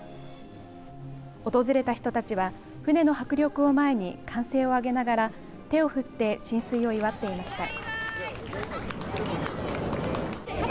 訪れた人たちは船の迫力を前に歓声を上げながら手を振って進水を祝っていました。